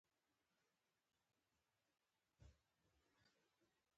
جنګ د نړیوالو اړیکو خرابولو او ګډوډۍ لامل دی.